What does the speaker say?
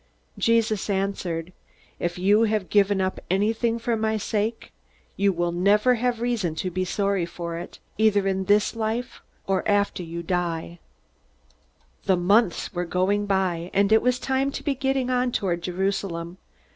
Jesus answered, "If you have given up anything for my sake you will never have reason to be sorry for it, either in this life or after you die." The months were going by, and it was time to be getting on toward Jerusalem.